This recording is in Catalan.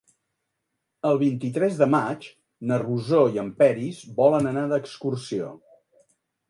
El vint-i-tres de maig na Rosó i en Peris volen anar d'excursió.